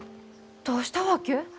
どうしたわけ？